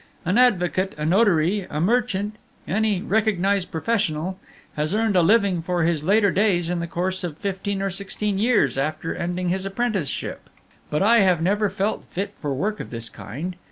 An advocate, a notary, a merchant, any recognized professional, has earned a living for his later days in the course of fifteen or sixteen years after ending his apprenticeship. "But I have never felt fit for work of this kind.